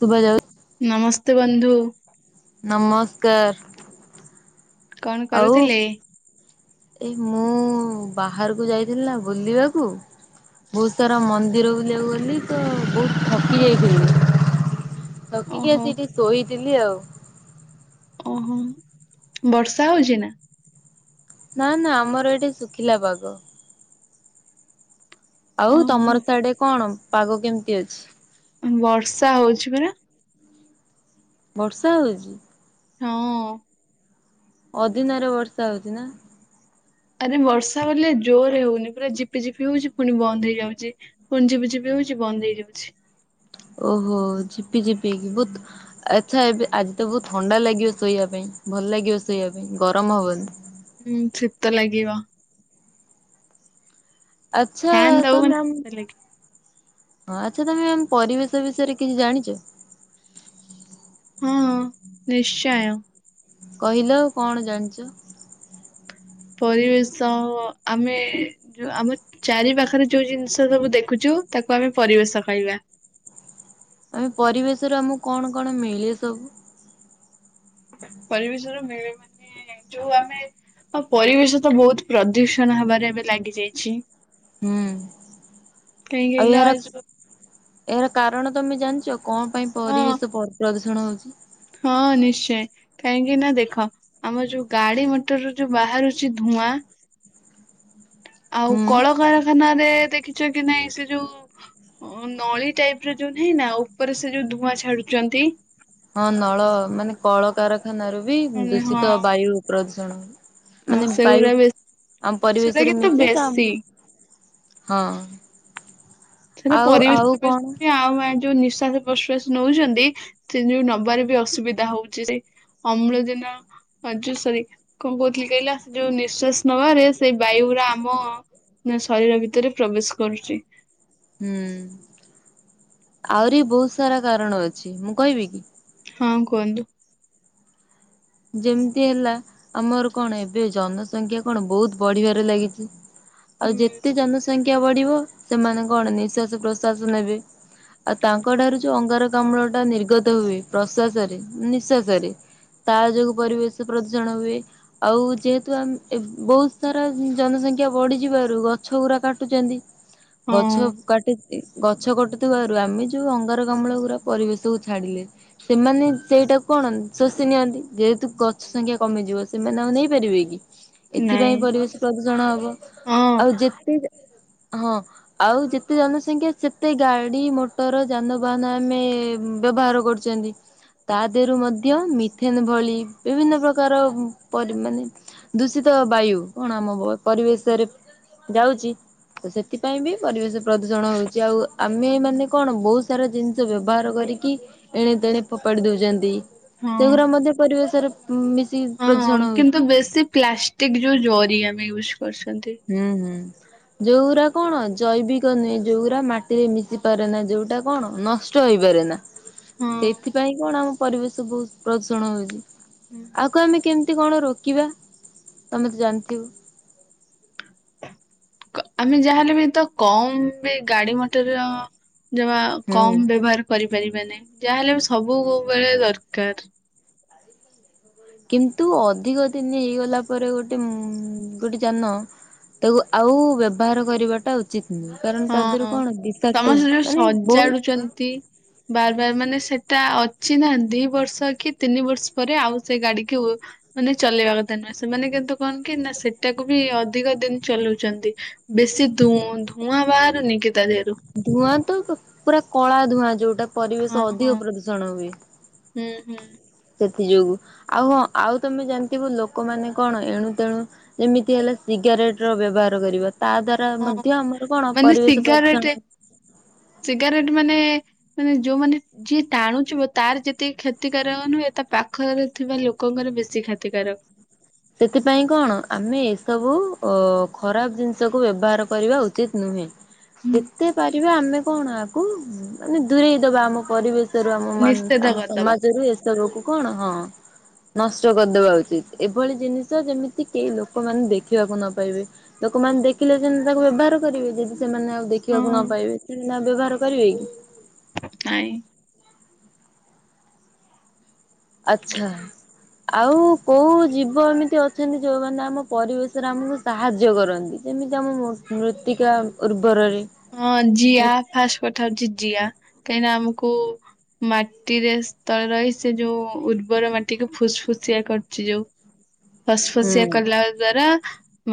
ଶୁଭାଯାଉ ନମସ୍ତେ ବନ୍ଧୁ। ନମସ୍କାର୍। କଣ କରୁଥିଲେ? ଏଇ ମୁଁ ବାହାରକୁ ଯାଇଥିଲି ନା ବୁଲିବାକୁ ବହୁତ୍ ସାରା ମନ୍ଦିର ବୁଲିବାକୁ ଗଲି ତ ବହୁତ୍ ଥକି ଯାଇଥିଲି। ଥକି କି ଓହୋ ଆସି ଟିକେ ଶୋଇଥିଲି ଆଉ। ଓହୋ ବର୍ଷା ହଉଚି ନା? ନା ନା ଆମର ଏଠି ଶୁଖିଲା ପାଗ। ଆଉ ଓହୋ ତମର ତାଡେ କଣ ପାଗ କେମ୍ତି ଅଛି? ବର୍ଷା ହଉଛି ପରା। ବର୍ଷା ହଉଚି? ହଁ। ଅଦିନାରେ ବର୍ଷା ହଉଚି ନା? ଆରେ ବର୍ଷା ବଲେ ଜୋରରେ ହଉନି ପୁରା ଝିପିଝିପି ହଉଚି ପୁଣି ବନ୍ଦ ହେଇଯାଉଚି। ପୁଣି ଝିପି ଝିପି ହଉଚି ବନ୍ଦ୍ ହେଇଯାଉଛି। ଓହୋ ଝିପି ଝିପି ହେଇକି ବୁଦ୍ ଆଚ୍ଛା ଏବେ ଆଜି ତ ବହୁତ୍ ଥଣ୍ଡା ଲାଗିବ ଶୋଇଆ ପାଇଁ ଭଲ ଲାଗିଅ ଶୋଇଆ ପାଇଁ ଗରମ ହବନି। ହୁଁ ଛିତ ଲାଗିବ। ଆଚ୍ଛା ଫ୍ୟାନ ଦବୁ ମାନେ ତମେ ଆମ୍ ଶୀତ ଲାଗିବ। ହଁ ଆଚ୍ଛା ତମେ ଆମ୍ ପରିବେଶ ବିଷୟରେ କିଛି ଜାଣିଚ? ହଁ ନିଶ୍ଚୟ। କହିଲ କଣ ଜାଣିଚ। ପରିବେଶ ଆମେ ଯୋ ଆମ ଚାରି ପାଖରେ ଯୋଉ ଜିନିଷ ସବୁ ଦେଖୁଚୁ ତାକୁ ଆମେ ପରିବେଶ କହିବା। ଆମେ ପରିବେଶରୁ ଆମକୁ କଣ କଣ ମିଳେ ସବୁ। ପରିବେଶରୁ ମିଳେ ମାନେ [unintelligible] ଯୋଉ ଆମେ ଅ ପରିବେଶ ତ ବହୁତ୍ ପ୍ରଦୂଷଣ ହେବାରେ ଏବେ ଲାଗି ଯାଇଛି। ହୁଁ କାହିଁକି ଆଉ କହିଲ ଏହାର ଏ ଯୋଉ ଏହାର କାରଣ ତମେ ଜାଣିଛ କଣ ପାଇଁ ହଁ ପରିବେଶ ପ୍ରଦୂଷଣ ହଉଛି? ହଁ ନିଶ୍ଚୟ। କାହିଁକି ନା ଦେଖ ଆମର ଯୋ ଗାଡି ମଟରରୁ ଯୋଉ ବାହାରୁଛି ଧୂଆଁ ଆଉ ହୁଁ କଳକାରଖାନାରେ ଦେଖିଛ କି ନାଇଁ ସେ ଯୋଉ ନଳି ଟାଇପ୍ ର ଯୋଉ ନାହିଁ ନା ଉପରେ ସେ ଯୋ ଧୂଆଁ ଛାଡୁଛନ୍ତି। ହଁ ନଳ ମାନେ କଳକାରଖାନାରୁ ବି ହଁ ଦୂଷିତ ବାୟୁ ପ୍ରଦୂଷଣ ହଁ ମାନେ ବାୟୁ ସେଗୁରା ବେଶୀ ଆମ ସେଟା ପରିବେଶରେ କିନ୍ତୁ ମିଶେ ତ ବେଶୀ ହଁ। ସେଡା ଆଉ ଆଉ ପରିବେଶରେ ମି କଣ? [unintelligible] ଆଉ ଏ ଯୋ ନିଶ୍ୱା ପ୍ରଶ୍ୱାସ ନଉଛନ୍ତି ସେ ଯୁ ନବାରେ ବି ଅସୁବିଧା ହଉଚି ସେ ଅମ୍ଳଜାନ ପାଞ୍ଚ ସରି କଣ କହୁଥିଲି କହିଲ ଯୋ ନିଶ୍ୱାସ ନବାରେ ସେଇ ବାୟୁ ଗୁଡା ଆମ ନା ଶରୀର ଭିତରେ ପ୍ରବେଶ କରୁଛି। ହୁଁ ଆଉରି ବହୁତ ସାରା କାରଣ ଅଛି ମୁଁ କହିବି କି? ହଁ କୁହନ୍ତୁ। ଯେମ୍ତି ହେଲା ଆମର କଣ ଏବେ ଜନସଂଖ୍ୟା କଣ ବହୁତ୍ ବଢିବାରେ ଲାଗିଚି ଆଉ ହୁଁ। ଯେତେ ଜନ ସ ସଂଖ୍ୟା ବଢିବ ସେମାନେ କଣ ନିସ୍ୱାସ ପ୍ରଶ୍ଵାସ ନେବେ। ଆଉ ତାଙ୍କ ଠାରୁ ଯୋଉ ଅଙ୍ଗାରକାମ୍ଳ ଟା ନିର୍ଗତ ହୁଏ ପ୍ରଶ୍ଵାସରେ ନିଶ୍ୱାସରେ ତା ଯୋଗୁ ପରିବେଶ ପ୍ରଦୂଷଣ ହୁଏ। ଆଉ ଯେହେତୁ ଆମ୍ ଏ ବହୁତ୍ ସାରା ଜନସଂଖ୍ୟା ବଢିଯିବାରୁ ଗଛ ଗୁରା କାଟୁଚେନ୍ତି। ଗଛ ହଁ କାଟି [unintelligible] ଗଛ କଟୁଥିବାରୁ ଆମେ ଯୋ ଅଙ୍ଗାରକାମ୍ଲ ଗୁରା ପରିବେଶକୁୁ ଛାଡିଲେ ସେମାନେ ସେଇଟାକୁ କଣ ସୋ ଷି ନିଅନ୍ତି ଯେହେତୁ ଗଛ ସଂଖ୍ୟା କମିଯିବ ସେମାନେ ଆଉ ନେଇପାରିବେ କି। ନାଇଁ ଏଥିପାଇଁ ପରିବେଶ ପ୍ରଦୂଷଣ ହବ ହଁ ଆଉ ଯେତେ ଯା ହଁ ଆଉ ଯେତେ ଜନସଂଖ୍ୟା ସେତେ ଗାଡି ମଟର ଯାନବାହାନ ଆମେ ବ୍ୟବହାର କରୁଛୁ। ଛନ୍ତି ତା ଦେହରୁ ମଧ୍ୟ ମିଥେନ୍ ଭଳି ବିଭିନ୍ନ ପ୍ରକାର ପ ମାନେ ଦୂଷିତ ବାୟୁ କଣ ଆମ ପରିବେଶରେ ଯାଉଛି। ତ ସେଥିପାଇଁ ବି ପରିବେଶ ପ୍ରଦୂଷଣ ହଉଛି ଆଉ ଆମେ ମାନେ କଣ ବହୁତ ସାରା ଜିନିଷ ବ୍ୟବହାର କରିକି ଏଣେ ତେଣେ ଫୋପାଡି ଦଉଛନ୍ତି। ହୁଁ। ସେଗୁରା ମଧ୍ୟ ପରିବେଶର ଉଁ ମିଶି ହଁ କିନ୍ତୁ ବେଶୀ ପ୍ଲାଷ୍ଟିକ ଯୋଉ ଜରି ଆମେ ୟୁଜ୍ କରୁଛନ୍ତି। ହୁଁ ହୁଁ। ଯଉରା କଣ ଜୈବିକ ନୁହେଁ ଯଉରା ମାଟିରେ ମିଶି ପାରେ ନା ଯୋଉଟା କଣ ନଷ୍ଟ ନଷ୍ଟ ହେଇପାରେ ନା ହଁ। ସେଇଥିପାଇଁ କଣ ଆମ ପରିବେଶ ବହୁତ ପ୍ରଦୂଷଣ ହଉଛି ଆକୁ ଆମେ କେମିତି କଣ ରୋକିବା? ତମେ ତ ଜାଣିଥିବ। କ- ଆମେ ଯାହାହେଲେ ବି ତ କମ ଗାଡି ମଟର ଯବା ହୁଁ କମ ବ୍ୟବହାର କରିପାରିବା ନାହିଁ ଯାହା ହେଲେ ସବୁବେଳେ ଦରକାର। କିନ୍ତୁ ଅଧିକ ଦିନ ହେଇଗଲା ପରେ ଗୋଟେ ଉ ଗୋଟେ ଯାନ ତାକୁ ଆଉ ବ୍ୟବହାର କରିବାଟା ଉଚିତ ନୁହେଁ। କାରଣ ତା ଦେହରୁ ହୁଁ କଣ ବିଷାକ୍ତ ସମସ୍ତେ ଯଉ ମାନେ ବହୁତ ସଜାଡୁଛନ୍ତି। ବାର ବାର ମାନେ ସେଟା ଅଛି ନା ଦି ବର୍ଷ କି ତିନି ବର୍ଷ ପରେ ଆଉ ସେ ଗାଡିିକୁ ମାନେ ଚଲେଇବା କଥା ନୁହେଁ ସେମାନେ କିନ୍ତୁ କଣ କି ନା ସେଟାକୁ ବି ଅଧିକ ଦିନ ଚଲାଉଛନ୍ତି। ବେଶୀ ଧ ଧୂଆଁ ବାହାରୁନି କି ତା ଦେହରୁ। ଧୂଆଁ ତ ପୁରା କଳା ଧୂଆଁ ଯୋଉଟା ହଁ ପରିବେଶ ହଁ ଅଧିକ ପ୍ରଦୂଷଣ ହୁଏ। ହୁଁ ହୁଁ ସେଥି ଯୋଗୁ ଆଉ ହଁ ଆଉ ତମେ ଜାଣିଥିବ ଲୋକମାନେ କଣ ଏଣୁ ତେଣୁ ଯେମିତି ହେଲା ସିଗାରେଟ ର ବ୍ୟବହାର କରିବା। ତା ଦ୍ଵାରା ହଁ ମଧ୍ୟ ଆମର କଣ ମାନେ ପରିବେଶ ସିଗାରେଟ ପ୍ରଦୂଷଣ ସିଗାରେଟ ମାନେ ମାନେ ଯୋଉମାନେ ଯିଏ ଟାଣୁଥିବ ତାର ଯେତିକି କ୍ଷତିକାରକ ନୁହେଁ ତା ପାଖରେ ଥିବା ଲୋକଙ୍କର ବେଶୀ କ୍ଷତିକାରକ। ସେଥିପାଇଁ କଣ ଆମେ ଏସବୁ ଅ ଖରାପ ଜିନିଷକୁ ବ୍ୟବହାର କରିବା ଉଚିତ ନୁହେଁ। ହୁଁ ଯେତେ ପାରିବା ଆମେ କଣ ଆକୁ ମାନେ ଦୂରେଇ ଦବା ଆମ ପରିବେଶ ବେଶରୁ ଆମ ନିଷେଧ ଆମ କରିଦବା। ସମାଜରୁ ଏସବୁ କୁ କଣ ହଁ ନଷ୍ଟ କରିଦବା ଉଚିତ। ଏଭଳି ଜିନିଷ ଯେମିତି କେହି ଲୋକମାନେ ଦେଖିବାକୁ ନ ପାଇବେ। ଲୋକମାନେ ଦେଖିଲେ ଯେ ତାକୁ ବ୍ୟବହାର କରିବେ ଯଦି ସେମାନେ ଆଉ ଦେଖିବାକୁ ନ ପାଇବେ ସେ ବ୍ୟବହାର କରିବେ କି? ନାଇଁ ଆଚ୍ଛା ଆଉ କୋଉ ଜୀବ ଏମିତି ଅଛନ୍ତି ଯୋଉମାନୋନ ଆମ ପରିବେଶରେ ଆମକୁ ସାହାଯ୍ୟ କରନ୍ତି ଯେମିତି ଆମ ମୃତ୍ତିକା ଉର୍ବରରେ ହଁ ଜିଆ ଫାଷ୍ଟ କଥା ହଉଛି ଜିଆ କାହିଁକି ନା ଆମକୁ ମାଟିରେ ସ୍ଥଳେ ରହି ସେ ଯୋଉ ଉର୍ବର ମାଟିକୁ ଫୁସଫୁସିଆ କରୁଛି ଯୋଉ। ଫସଫସିଆ କଲା ଦ୍ଵାରା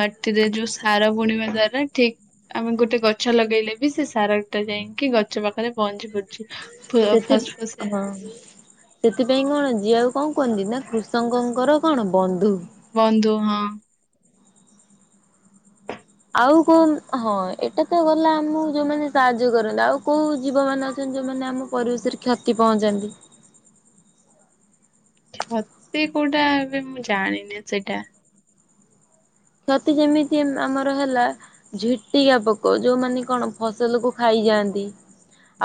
ମାଟିରେ ଯୋଉ ସାର ବୁଣିବା ଦ୍ଵାରା ଠିକ ଆମେ ଗୋଟେ ଗଛ ଗଛ ଲଗେଇଲେ ବି ସେ ସାର ଟା ଯାଇକି ଗଛ ପାଖରେ ପହଞ୍ଚି ପଡୁଛି ଫ ସେଥି ଫସଫସିଆ ହଁ ସେଥିପାଇଁ କଣ ଜିଆ କୁ କଣ କୁହନ୍ତି ନା କୃଷକଙ୍କର କଣ ବନ୍ଧୁ। ବନ୍ଧୁ ହଁ। ଆଉ କୋଉ ହଁ ଏଇଟା ତ ଗଲା ଆମକୁ ଯୋଉମାନେ ସାହାଯ୍ୟ କରନ୍ତି ଆଉ କୋଉ ଜୀବ ମାନେ ଅଛନ୍ତି ଯୋଉମାନେ ଆମ ପରିବେଶରେ କ୍ଷତି ପହଞ୍ଚାନ୍ତି। [unintelligible] କୋଉଟା ଏବେ ମୁଁ ଜାଣିନି ସେଇଟା। କ୍ଷତି ଯେମିତି ଆମର ହେଲା। ଝିଟିକା ପୋକ ଯୋଉମାନେ କଣ ଫସଲ କୁ ଖାଇଯାଆନ୍ତି।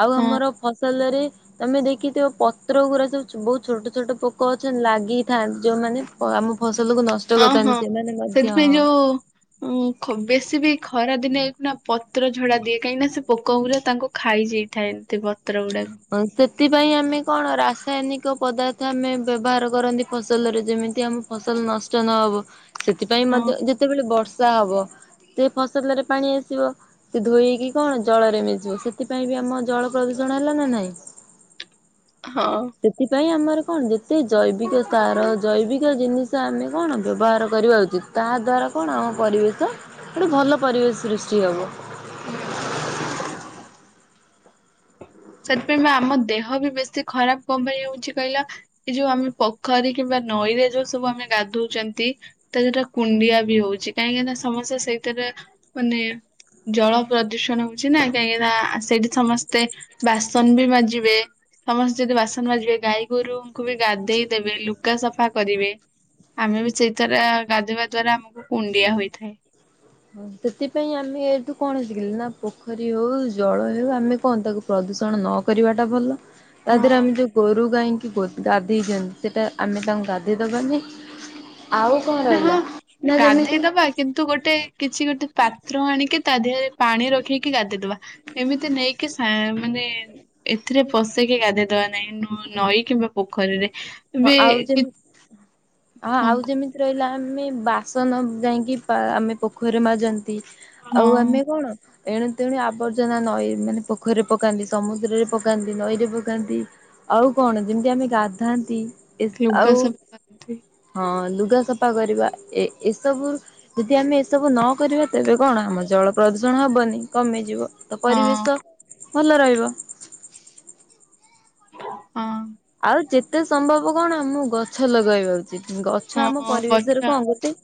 ଆଉ ହଁ ଆମର ଫସଲ ରେ ତମେ ଦେଖିଥିବ ପତ୍ର ଗୁଡା ସବୁ ବହୁତ ଛୋଟ ଛୋଟ ପୋକ ଅଛନ୍ତି ଲାଗିଥାନ୍ତି ଯୋଉମାନେ ଆମ ଫସଲ କୁ ନଷ୍ଟ କରିଥାନ୍ତି ସେମାନେ ନେ ହଁ ଯୋଉ ଉଁ ବେଶୀ ବି ଖରା ଦିନେ ହେଇକ ନା ପତ୍ର ଝଡା ଦିଏ କାହିଁକି ନା ସେ ପୋକ ଉପରେ ତାଙ୍କୁ ଖାଇଯାଇଥାନ୍ତି ପତ୍ର ଗୁଡାକ। ହଁ ସେଥିପାଇଁ ଆମେ କଣ ରାସାୟନିକ ପଦାର୍ଥ ଆମେ ବ୍ୟବହାର କରନ୍ତି ଫସଲରେ ଯେମିତି ଆମ ଫସଲ ନଷ୍ଟ ନହବ ସେଥିପାଇଁ ହଁ ମଧ୍ୟ ଯେତେବେଳେ ବର୍ଷା ହବ। ସେ ଫସଲରେ ପାଣି ଆସିବ। ସେ ଧୋଇକି କଣ ଜଳରେ ମିଶିବ ସେଥିପାଇଁ ବି ଆମ ଜଳ ପ୍ରଦୂଷଣ ଲାନା ନାଇଁ। ହଁ। ସେଥିପାଇଁ ଆମର କ ଣ ଯେତେ ଜୈବିକ ତାର ଜୈବିକ ଜିନିଷ ଆମେ କଣ ବ୍ୟବହାର କରିବା ଉଚିତ୍। ତା ଦଵାରା କ ଣ ଆମ ପରିବେଶ ଗୋଟେ ଭଲ ପରିବେଶ ସୃଷ୍ଟି ହେବ। ହୁଁ। ସେଥିପାଇଁ ବା ଆମ ଦେହ ବି ବେଶୀ ଖରାପ କ ପାଇଁ ହଉଛି କହିଲା? ଏ ଯୋଉ ଆମେ ପୋଖରୀ କିମ୍ବା ନଈରେ ଯୋଉ ସବୁ ଆମେ ଗାଧଉଛନ୍ତି। ତା ଯୋଟା କୁଣ୍ଡିଆ ବି ହଉଛି କାହିଁକିନା ସମସ୍ତେ ସେଇଥିରେ ମାନେ ଜଳ ପ୍ରଦୂଷଣ ହଉଛି ନା କାହିଁକି ନା ସେଇଠି ସମସ୍ତେ ବାସନ ବି ମାଜିବେ। ସମସ୍ତେ ଯଦି ବାସନ ବାଜିବେ ଗାଈ ଗୋରୁଙ୍କୁ ବି ଗାଧେଇ ଦେବେ ଲୁଗା ସଫା କରିବେ। ଆମେ ବି ସେଇଥର ଗାଧଇବା ଦ୍ଵାରା ଆମକୁ କୁଣ୍ଡିଆ ହୋଇଥାଏ। ହଁ ସେଥିପାଇଁ ଆମେ ଏଠୁ କଣ ଶିଖିଲେ ନା ପୋଖରୀ ହଉ ଜଳ ହଉ ଆମେ କଣ ତାକୁ ପ୍ରଦୂଷଣ ନ କରିବାଟା ଭଲ ତା ହଁ। ଦେହରେ ଆମେ ଯୋଉ ଗୋରୁ ଗାଇକି ଗ ଗାଧେଇଛନ୍ତି ସେଟା ଆମେ ତାଙ୍କୁ ଗାଧେଇ ଦବାନି ଆଉ କଣ ନା ହଁ ରହିଲା ନା ଗାଧେଇ ଯେମିତି ଦବା କିନ୍ତୁ ଗୋଟେ କିଛି ଗୋଟେ ପାତ୍ର ଆଣିକି ତା ଦେହରେ ପାଣି ରଖିକି ଗାଧୋଇଦବା। ଏମିତି ନେଇକି ସା ମାନେ ଏଥିରେ ପଶେଇକି ଗାଧେଇ ଦବା ନାହିଁ ନଈ କିମ୍ବା ପୋଖରୀରେ। ହଁ ଏବେ ଆଉ କି- ଯେମି ହଁ ଆଉ ଯେମିତି ରହିଲା ଆମେ ବାସନ ଯାଇକି ଆମେ ପୋଖରୀରେ ମାଜନ୍ତି। ଆଉ ହଁ ଆମେ କଣ? ଏଣୁ ତେଣୁ ଆବର୍ଜନା ନଈ ମାନେ ପୋଖରୀରେ ପକାନ୍ତି ସମୁଦ୍ରରେ ପକାନ୍ତି ନଈରେ ପକାନ୍ତି। ଆଉ କଣ ଯେମିତି ଆମେ ଗାଧାନ୍ତି ଏସ ଲୁଗା ଆଉ ସଫା କରନ୍ତି ହଁ ଲୁଗା ସଫା କରିବା ଏ ଏସବୁ ଯଦି ଆମେ ଏସବୁ ନ କରିବା ତେବେ କଣ ଆମ ଜଳ ପ୍ରଦୂଷଣ ହବନି କମିଯିବ। ତ ହଁ ପରିବେଶ ଭଲ ରହିବ। ହଁ। ଆଉ ଯେତେ ସମ୍ଭବ କଣ ଆମକୁ ଗଛ ଲଗେଇବା ଉଚିତ୍ ଗଛ ଆମ ହଁ ପରିବେଶରେ ଗଛ କଣ ଗୋଟେ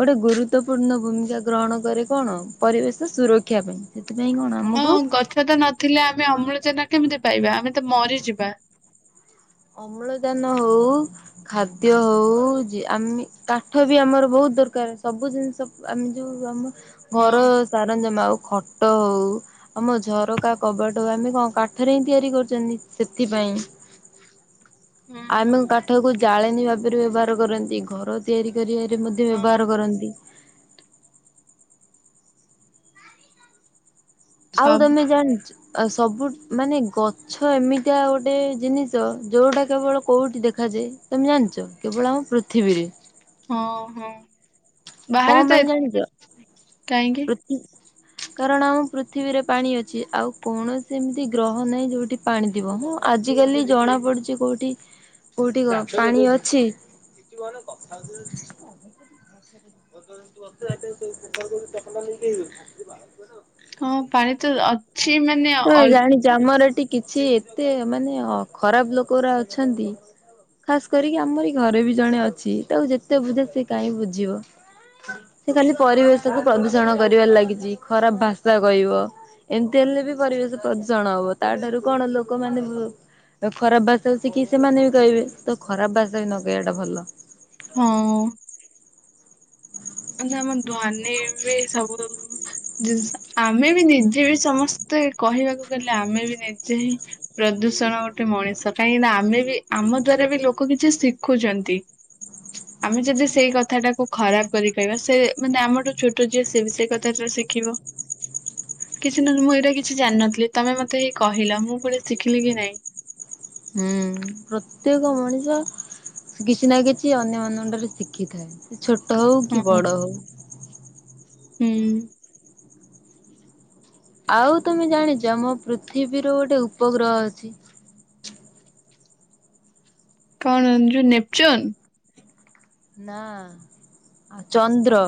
ଗୋଟେ ଗୁରୁତ୍ୱପୂର୍ଣ୍ଣ ଭୂମିକା ଗ୍ରହଣ କରେ କଣ ପରିବେଶ ସୁରକ୍ଷା ପାଇଁ ଏଥିପାଇଁ କଣ ହଁ ଆମକୁ ଗଛ ତ ନଥିଲେ ଆମେ ଅମ୍ଳଯାନ କେମିତି ପାଇବା ଆମେ ତ ମରିଯିବା। ଅମ୍ଳଯାନ ହଉ ଖାଦ୍ୟ ହଉ ଆମ କାଠ ବି ଆମର ବହୁତ ଦରକାର ସବୁ ଜିନିଷ ଆମେ ଯୋଉ ଆମ ହଁ। ଘର ସାରଞ୍ଜମା ଆଉ ଖଟ ହଉ ଆମ ଝରକା କବାଟକୁ ଆମେ କଣ କାଠରେ ହିଁ ତିଆରି କରୁଛନ୍ତି ସେଥିପାଇଁ। ହୁଁ ହୁଁ ଆମ କାଠକୁ ଜାଳେଣୀ ଭାବରେ ବ୍ୟବହାର କରନ୍ତି ଘର ତିଆରି କରିବାରେ ମଧ୍ୟ ହଁ ବ୍ୟବହାର କରନ୍ତି। ଆଉ ସବୁ ତମେ ଜାଣିଛ ଆ ସବୁ ମାନେ ଗଛ ଏମିତିଆ ଗୋଟେ ଜିନିଷ ଯୋଉଟା କେବଳ କୋଉଠି ଦେଖାଯାଏ? ତମେ ଜାଣିଛ କେବଳ ଆମ ପୃଥିବୀରେ। ହଁ ହଁ ବାହାରେ କଣ ତ ପାଇଁ ଏ ଜାଣିଛ କାହିଁକି? କାରଣ ଆମ ପୃଥିବୀରେ ପାଣି ଅଛି ଆଉ କୌଣସି ଏମିତି ଗ୍ରହ ନାହିଁ ଯୋଉଠି ପାଣି ଥିବ ହଁ ଆଜିିକାଲି ଜଣା ପଡୁଛି କୋଉଠି କୋଉଠି କ ପାଣି ଅଛି? [unintelligible] [unintelligible] ହଁ ପାଣି ତ ଅଛି ମାନେ ହଁ ଅଳ୍ପ ଜାଣିଛି ଆମର ଏଠି କିଛି ଏତେ ମାନେ ଖରାପ ଲୋକରା ଅଛନ୍ତି। ଖାସ୍ କରିକି ଆମ ଏଇ ଘରେ ବି ଜଣେ ଅଛି ତାକୁ ଯେତେ ବୁଝା ସେ କାହିଁକି ବୁଝିବ। ସେ ଖାଲି ପରିବେଶକୁ ପ୍ରଦୂଷଣ କରିବାରେ ଲାଗିଛି ଖରାପ ଭାଷା କହିବ। ଏମିତି ହେଲେ ବି ପରିବେଶ ପ୍ରଦୂଷଣ ହବ ତାଠାରୁ କଣ ଲୋକମାନେ ତ ଖରାପ ଭାଷା ଶିଖି ସେମାନେ ବି କହିବେ। ତ ଖରାପ ଭାଷା ବି ନ କହିବାଟା ଭଲ। ହଁ। ଆମ ଧନୀ ହେବେ ସବୁ। ଜିନିଷ ଆମେ ବି ନିଜେ ବି ସମସ୍ତେ କହିବାକୁ ଗଲେ ଆମେ ବି ନିଜେ ହିଁ ପ୍ରଦୂଷଣ ଗୋଟେ ମଣିଷ କାହିଁକିନା ଆମେ ବି ଆମ ଦ୍ଵାରା ବି ଲୋକ କିଛି ଶିଖୁଛନ୍ତି। ଆମେ ଯଦି ସେଇ କଥା ଟାକୁ ଖରାପ୍ କରି କହିବା ସେ ମାନେ ଆମଠୁ ଛୋଟ ଯିଏ ସେ ବି ସେଇ କଥାଟା ଶିଖିବ। କିଛି ନହେଲେ ମୁଁ ଏଇଟା କିଛି ଜାଣିନଥିଲି ତମେ ମତେ ହେଇ କହିଲ। ମୁଁ ପୁଣି ଶିଖିଲି କି ନାଇଁ। ହୁଁ ପ୍ରତ୍ୟେକ ମଣିଷ କିଛି ନା କିଛି ଅନ୍ୟମାନ ଙ୍କ ଠାରୁ ଶିଖିଥାଏ। ସେ ଛୋଟ ହଉ ହଁ କି ହୁଁ ବଡ ହଉ ଆଉ ତମେ ଜାଣିଚ ଆମ ପୃଥିବୀର ଗୋଟେ ଉପଗ୍ରହ ଅଛି? କଣ ଯୋଉ ନେପଚୁନ୍? ନା ଚନ୍ଦ୍ର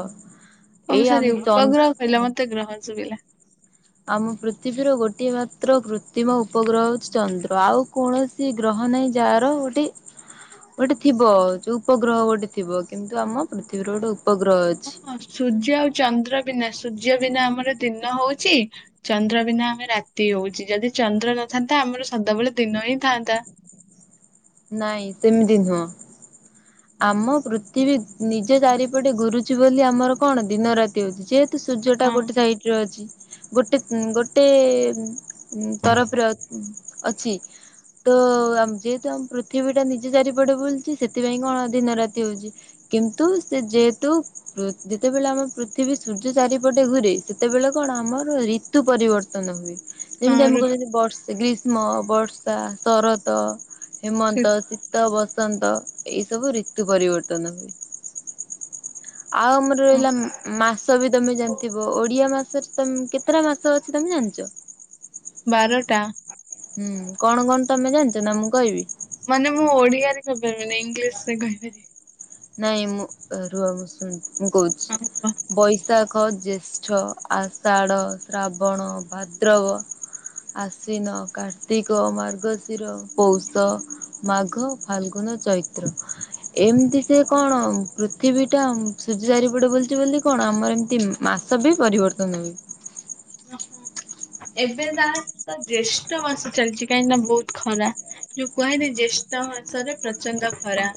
ଓ ଏଇ ଆମ ସରି ଉପଗ୍ରହ କହିଲ ଚନ୍ଦ ମତେ ଗ୍ରହ ଶୁଭିଲା। ଆମ ପୃଥିବୀର ଗୋଟିଏ ମାତ୍ର କୃତ୍ରିମ ଉପଗ୍ରହ ହଉଚି ଚନ୍ଦ୍ର। ଆଉ କୌଣସି ସେ ଗ୍ରହ ନେଇ ଯାହାର ଗୋଟେ ଗୋଟେ ଥିବ ଯଉ ଉପଗ୍ରହ ଗୋଟେ ଥିବ। କିନ୍ତୁ ଆମ ପୃଥିବୀର ଗୋଟେ ଉପଗ୍ରହ ଅଛି। ହଁ ସୂର୍ଯ୍ୟ ଆଉ ଚନ୍ଦ୍ର ବିନା ସୂର୍ଯ୍ୟ ବିନା ଆମର ଦିନ ହଉଚି ଚନ୍ଦ୍ର ବିନା ଆମେ ରାତି ହଉଛି ଯଦି ଚନ୍ଦ୍ର ନଥାନ୍ତା ଆମର ସଦାବେଳେ ଦିନ ହିଁ ଥାନ୍ତା। ନାଇଁ ସେମିତି ନୁହଁ। ହଁ ଆମ ପୃଥିବୀ ନିଜ ଚାରିପଟେ ଘୁରୁଚି ବୋଲି ଆମର କଣ ଦିନ ରାତି ହଉଚି। ଯେ ସୂର୍ଯ୍ୟ ଟା ହଁ ଗୋଟେ ସାଇଟ୍ ରେ ଅଛି। ଗୋଟେ ଗୋଟେ ତରଫର ଅଛି। ତ ଆମ୍ ଯେହେତୁ ଆମ୍ ପୃଥିବୀ ଟା ନିଜେ ଚାରିପଟେ ବୁଲୁଛି ସେଥିପାଇଁ କଣ ଦିନ ରାତି ହଉଛି। କିନ୍ତୁ ସେ ଯେହେତୁ ଯେତେବେଳେ ଆମ ପୃଥିବୀ ସୂର୍ଯ୍ୟ ଚାରିପଟେ ଘୁରେ ସେତେବେଳେ କଣ ଆମର ଋତୁ ପରିବ ତ ନ ହୁଏ, ଯେମିତି ହଁ ଆମେ ଋ କହୁଛନ୍ତି ବର୍ଷା ଗ୍ରୀଷ୍ମ, ବର୍ଷା, ଶରତ ସେ ହେମନ୍ତ ସୀତ, ବସନ୍ତ, ଏଇ ସବୁ ଋତୁ ପରିବର୍ତ୍ତନ ହୁଏ। ଆଉ ଆମର ହଁ ରହିଲା ମାସ ଭି ତମେ ଜାଣିଥିବ ଓଡିଆ ମାସରେ ତମେ କେତେଟା ମାସ ଅଛି ତମେ ଜାଣିଛ? ବାରଟା। ହୁଁ କଣ କଣ ତମେ ଜାଣିଚ ନା ମୁଁ କହିବି? ମାନେ ମୁଁ ଓଡିଆରେ କହିପାରିବିନି। ଇଂଲିଶ ରେ କହିପାରିବି। ନାଇଁ ମୁଁ ରୁହ ମୁଁ କହୁଛି ହଁ କୁହ। ବୈଶାଖ, ଜ୍ୟେଷ୍ଠ ଆଷାଢ, ଶ୍ରାବଣ, ଭାଦ୍ରବ ଆଶ୍ଵିନ, କାର୍ତ୍ତିକ, ମାର୍ଗଶିର, ପୌଷ, ମାଘ, ଫାଲଗୁନ ଚୈ ଏମତି ସେ କଣ, ପୃଥିବୀ ଟା ସୂଯ୍ୟ ଚାରିପଟେ ବୁଲୁଛି ବୋଲି କଣ ଆମର ଏମିତି ମାସ ବି ପରିବ [unintelligible] ଏବେ ତାହାଲେ ତ ଜ୍ୟେଷ୍ଠ ମାସ ଚାଲିଛି କାହିଁକି ନା ବହୁତ ଖରା। ଯୋଉ କୁହା ହେଇନି ଜ୍ୟେଷ୍ଠ ମାସରେ ପ୍ରଚଣ୍ଡ ଖରା।